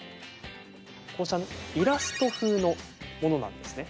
こうしたイラスト風のものなんですね。